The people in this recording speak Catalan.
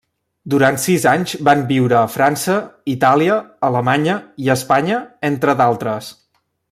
Durant sis anys van viure a França, Itàlia, Alemanya i Espanya, entre d'altres.